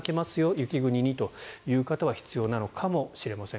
雪国にという方は必要なのかもしれません。